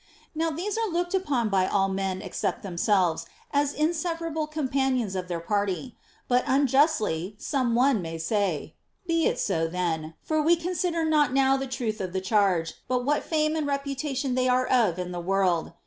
Now these are looked upon by all men except themselves as inseparable companions of their party. But unjustly, some one may say. Be it so then ; for we consider not now the truth of the charge, but what fame and reputation they are of in the world.